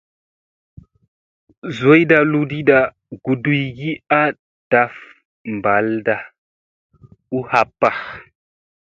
Zoyda ludiida guduygi a ɗaf balda u happa.